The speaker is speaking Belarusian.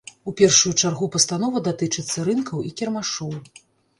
У першую чаргу пастанова датычыцца рынкаў і кірмашоў.